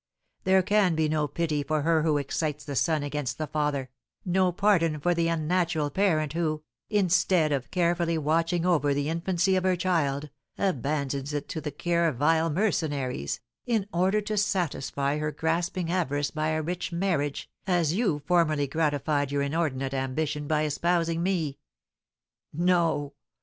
There can be no pity for her who excites the son against the father, no pardon for the unnatural parent who, instead of carefully watching over the infancy of her child, abandons it to the care of vile mercenaries, in order to satisfy her grasping avarice by a rich marriage, as you formerly gratified your inordinate ambition by espousing me. No!